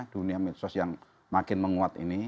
dunia medsos yang makin menguat ini